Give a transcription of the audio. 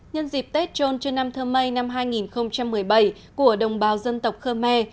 nhân dịp tết trôn trân nam thơ mây năm hai nghìn một mươi bảy của đồng bào dân tộc khơ me